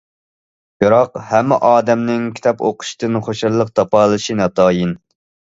بىراق ھەممە ئادەمنىڭ كىتاب ئوقۇشتىن خۇشاللىق تاپالىشى ناتايىن.